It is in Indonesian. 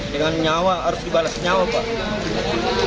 dengan nyawa harus dibalas nyawa pak